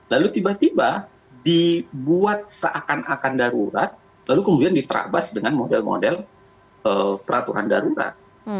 lalu tiba tiba dibuat seakan akan darurat lalu kemudian diterabas dengan model model peraturan darurat